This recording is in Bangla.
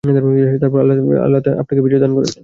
তারপর আল্লাহ আপনাকে বিজয় দান করেছেন।